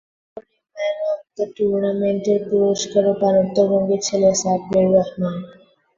পরে man of the টুর্নামেন্টের পুরস্কারও পান উত্তরবঙ্গের ছেলে সাব্বির রহমান।